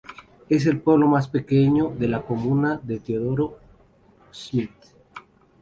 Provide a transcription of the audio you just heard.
Es el pueblo más pequeño de la comuna de Teodoro Schmidt.